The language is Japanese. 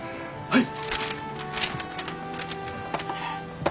はい。